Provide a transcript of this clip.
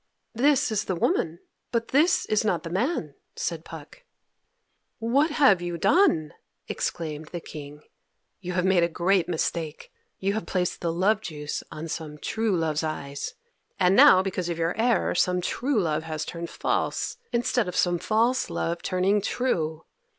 "This is the woman, but this is not the man," said Puck. "What have you done?" exclaimed the King. "You have made a great mistake. You have placed the love juice on some true love's eyes, and now, because of your error, some true love has turned false, instead of some false love turning true!